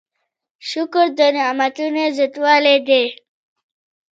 شکر د نعمتونو زیاتوالی دی.